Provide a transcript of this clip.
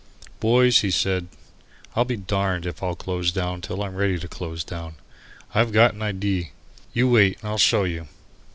"Boys," he said, "I'll be darned if I close down till I'm ready to close down. I've got an idee. You wait and I'll show you."